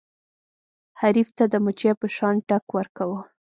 حریف ته د مچۍ په شان ټک ورکوه.